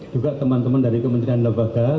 juga teman teman dari kementerian lembaga